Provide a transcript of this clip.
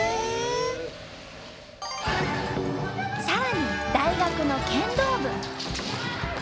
さらに大学の剣道部。